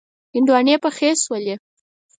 هندواڼی پخې شولې.